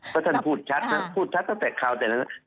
เพราะสั้นพูดชัดนะพูดชัดตั้งแต่คราวเดียว